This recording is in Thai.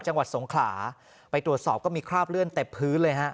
จังหวัดสงขลาไปตรวจสอบก็มีคราบเลือดเต็มพื้นเลยฮะ